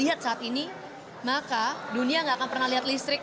lihat saat ini maka dunia nggak akan pernah lihat listrik